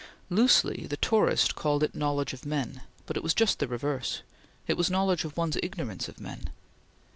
Loosely, the tourist called it knowledge of men, but it was just the reverse; it was knowledge of one's ignorance of men.